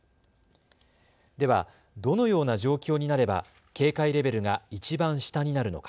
では、どのような状況になれば警戒レベルがいちばん下になるのか。